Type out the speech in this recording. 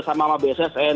sudah sama sama bssn